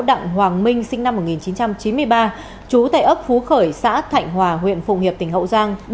đặng hoàng minh sinh năm một nghìn chín trăm chín mươi ba trú tại ấp phú khởi xã thạnh hòa huyện phụng hiệp tỉnh hậu giang